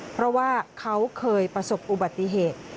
เพราะว่าเขาเคยประสบอุบัติเหตุ